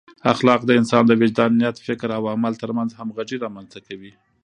اخلاق د انسان د وجدان، نیت، فکر او عمل ترمنځ همغږي رامنځته کوي.